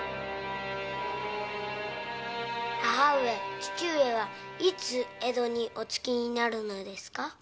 母上父上はいつ江戸にお着きになるのですか？